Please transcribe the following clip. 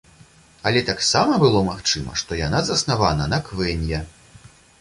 Але таксама было магчыма, што яна заснавана на квэнья.